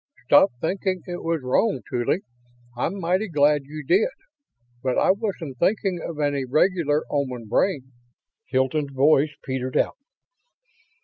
"Stop thinking it was wrong, Tuly. I'm mighty glad you did. But I wasn't thinking of any regular Oman brain...." Hilton's voice petered out.